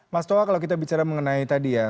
mas toa kalau kita bicara mengenai tadi ya